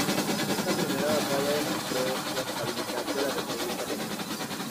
Esta primera batalla demostró la estabilidad de la República romana.